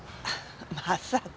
まさか。